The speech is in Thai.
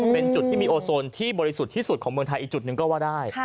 เป็นจุดที่มีโอโซนที่บริสุทธิ์ที่สุดของเมืองไทยอีกจุดหนึ่งก็ว่าได้